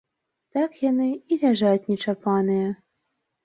Так яны і ляжаць нечапаныя.